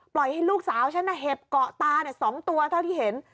ให้ลูกสาวฉันเห็บเกาะตา๒ตัวเท่าที่เห็น